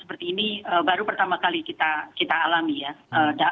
seperti ini baru pertama kali kita alami ya